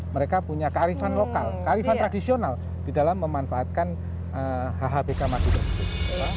mereka punya kearifan lokal kearifan tradisional di dalam memanfaatkan hhbk madu tersebut